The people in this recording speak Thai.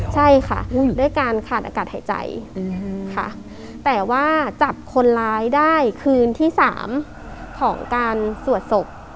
ใช่ค่ะด้วยการขาดอากาศหายใจค่ะแต่ว่าจับคนร้ายได้คืนที่สามของการสวดศพ